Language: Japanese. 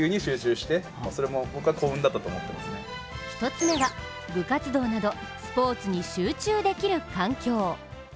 １つ目は、部活動などスポーツに集中できる環境。